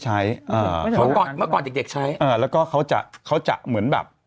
ใช้อ่าเขาก่อนเมื่อก่อนเด็กเด็กใช้อ่าแล้วก็เขาจะเขาจะเหมือนแบบ